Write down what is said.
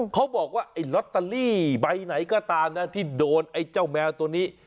เขาบอกว่าไอ้ลอตเตอรี่ใบไหนก็ตามนะที่โดนไอ้เจ้าแมวตัวนี้